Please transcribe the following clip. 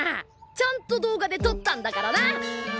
ちゃんと動画でとったんだからな！